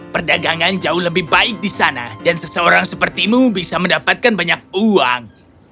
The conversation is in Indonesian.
perdagangan jauh lebih baik di sana dan seseorang sepertimu bisa mendapatkan banyak uang